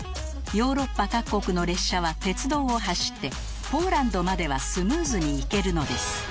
ヨーロッパ各国の列車は鉄道を走ってポーランドまではスムーズに行けるのです